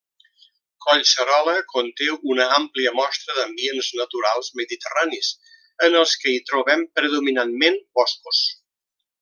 Collserola conté una àmplia mostra d'ambients naturals mediterranis, en els que hi trobem predominantment boscos.